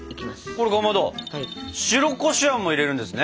これかまど白こしあんも入れるんですね。